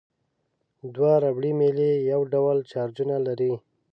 دوه ربړي میلې یو ډول چارجونه لري.